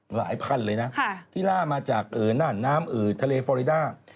หลายพันเลยนะที่ล่ามาจากน่านน้ำทะเลฟอริดา